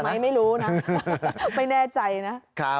จบไหมไม่รู้นะไม่แน่ใจนะ